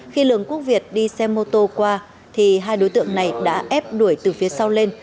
khi lường quốc việt đi xe mô tô qua thì hai đối tượng này đã ép đuổi từ phía sau lên